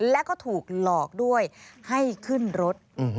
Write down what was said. แล้วก็ถูกหลอกด้วยให้ขึ้นรถ